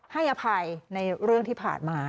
ให้อภัยในเรื่องที่ผ่านมา